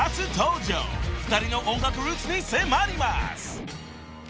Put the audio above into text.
［２人の音楽ルーツに迫ります］